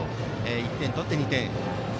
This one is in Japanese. １点取って２点。